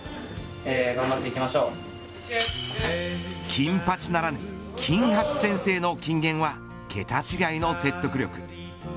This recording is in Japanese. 金八ならぬ金橋先生の金言は桁違いの説得力。